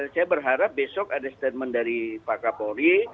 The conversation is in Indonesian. saya berharap besok ada statement dari pak kapolri